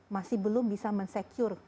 masih belum bisa mensecure